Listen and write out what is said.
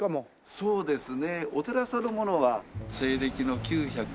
そうですね。